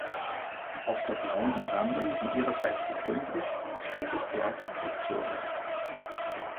Auf der blauen Umrandung, die ihrerseits bekrönt ist, steht das Wort "Victoria".